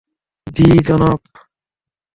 জ্বি, জনাব।